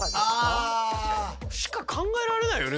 あ。しか考えられないよね